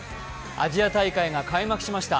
アジア大会が開幕しました。